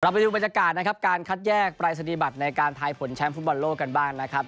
ไปดูบรรยากาศนะครับการคัดแยกปรายศนีบัตรในการทายผลแชมป์ฟุตบอลโลกกันบ้างนะครับ